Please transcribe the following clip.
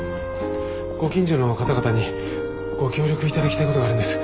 ご近所の方々にご協力頂きたいことがあるんです。